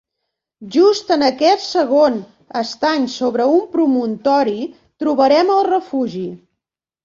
Just en aquest segon estany sobre un promontori trobarem el refugi.